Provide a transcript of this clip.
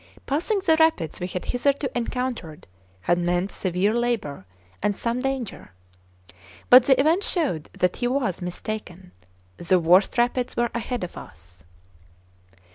Passing the rapids we had hitherto encountered had meant severe labor and some danger. But the event showed that he was mistaken. The worst rapids were ahead of us.